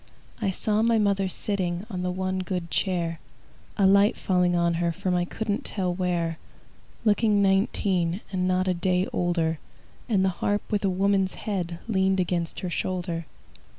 I saw my mother sitting On the one good chair, A light falling on her From I couldn't tell where, Looking nineteen, And not a day older, And the harp with a woman's head Leaned against her shoulder.